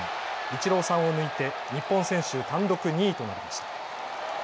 イチローさんを抜いて日本選手単独２位となりました。